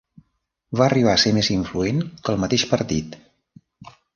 Va arribar a ser més influent que el mateix partit.